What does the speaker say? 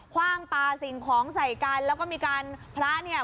คว่างปลาสิ่งของใส่กันแล้วก็มีการพระเนี่ย